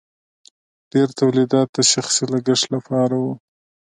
ډیر تولیدات د شخصي لګښت لپاره وو.